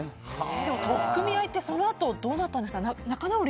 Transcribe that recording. でも取っ組み合いってそのあと仲直りしたんですか？